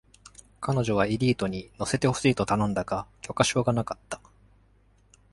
彼女はエリートに乗せてほしいと頼んだが、許可証がなかった。